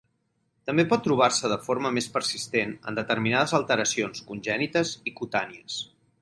També pot trobar-se de forma més persistent en determinades alteracions congènites i cutànies.